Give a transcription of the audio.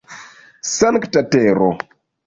Sankta tero!